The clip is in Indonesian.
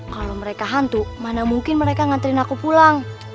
kalo mereka hantu mana mungkin mereka nganterin aku pulang